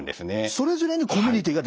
それぞれにコミュニティができちゃう？